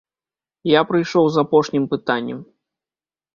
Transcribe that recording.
Я прыйшоў з апошнім пытаннем.